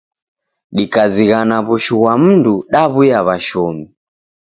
Dikazighana w'ushu ghwa mndu, daw'uya w'ashomi.